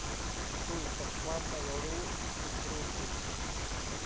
สู้กับความไม่รู้ คือครู สื่อ